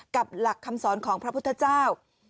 กับหลักคำสอนของพระพุทธเจ้า